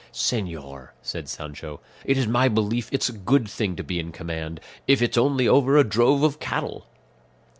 "Señor," said Sancho, "it is my belief it's a good thing to be in command, if it's only over a drove of cattle."